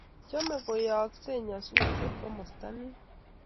Chome koyayaksei nyasutiet komasta ni